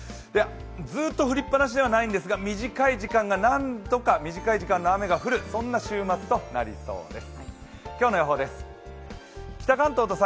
ずっと降りっぱなしではないんですが、何度か短い時間の雨が降るそんな週末となりそうです。